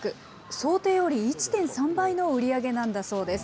想定より１．３倍の売り上げなんだそうです。